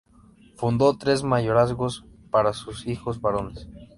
Fundó tres mayorazgos para sus hijos varones.